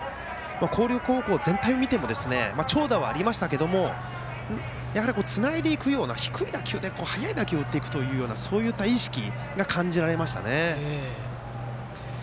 広陵高校全体を見ても長打はありましたがやはりつないでいくような低い打球で速い打球を打っていくという意識が感じられましたね。